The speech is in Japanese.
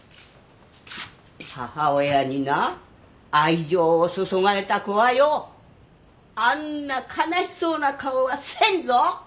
母親にな愛情を注がれた子はよあんな悲しそうな顔はせんぞ！